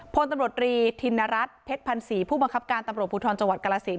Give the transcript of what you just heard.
พลตำรวจรีธินรัฐเพชรพันศรีผู้บังคับการตำรวจภูทรจังหวัดกรสิน